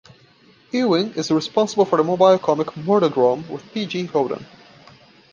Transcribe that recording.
Ewing is responsible for the mobile comic "Murderdrome" with P. J. Holden.